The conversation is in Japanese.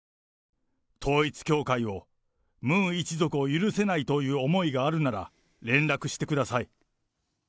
統一教会を、ムン一族を許せないという思いがあるなら、連絡してください。